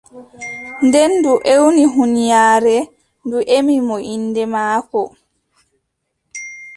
Nden ndu ewni huunyaare ndu ƴemi mo innde maako.